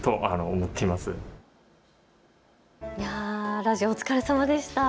ラジオ、お疲れさまでした。